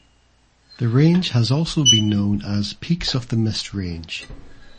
The range has also been known as Peaks of the Mist Range.